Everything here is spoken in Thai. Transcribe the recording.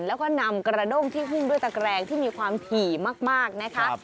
แล้วก็นำกระด้งที่หุ้มด้วยตะแกรงที่มีความถี่มากนะคะ